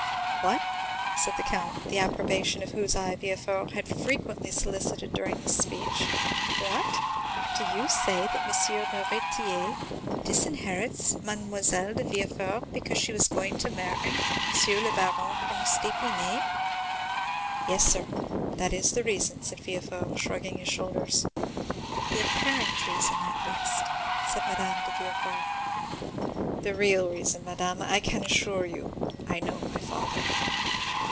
"What?" said the count, the approbation of whose eye Villefort had frequently solicited during this speech. "What? Do you say that M. Noirtier disinherits Mademoiselle de Villefort because she is going to marry M. le Baron Franz d'Épinay?" "Yes, sir, that is the reason," said Villefort, shrugging his shoulders. "The apparent reason, at least," said Madame de Villefort. "The real reason, madame, I can assure you; I know my father."